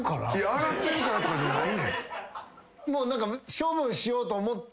洗ってるからとかじゃない。